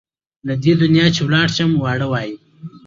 له دې دنیا چې لاړ شم واړه وايي.